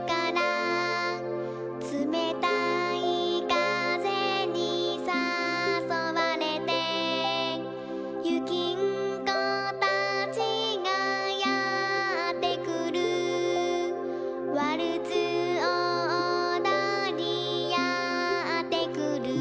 「つめたいかぜにさそわれて」「ゆきんこたちがやってくる」「ワルツをおどりやってくる」